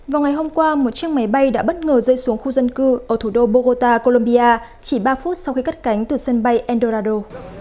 vào ngày hôm qua một chiếc máy bay đã bất ngờ rơi xuống khu dân cư ở thủ đô bogota colombia chỉ ba phút sau khi cất cánh từ sân bay endorado